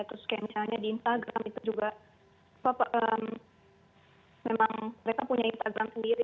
terus kayak misalnya di instagram itu juga memang mereka punya instagram sendiri